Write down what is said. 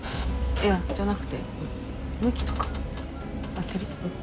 いやじゃなくて向きとか合ってる？